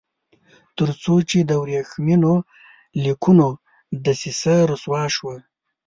تر څو چې د ورېښمینو لیکونو دسیسه رسوا شوه.